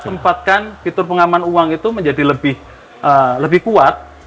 jadi kita tempatkan fitur pengaman uang itu menjadi lebih kuat